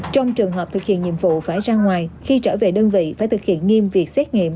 trong trường hợp thực hiện nhiệm vụ phải ra ngoài khi trở về đơn vị phải thực hiện nghiêm việc xét nghiệm